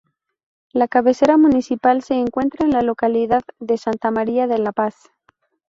La cabecera municipal se encuentra en la localidad de Santa María de la Paz.